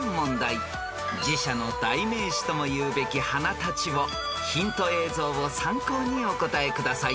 ［寺社の代名詞ともいうべき花たちをヒント映像を参考にお答えください］